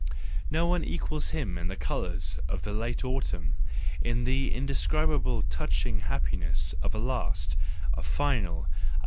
No one equals him in the colours of the late autumn, in the indescribably touching happiness of a last, a final, and